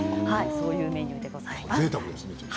そういうメニューでございます。